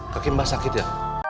kaki mbak sakit ya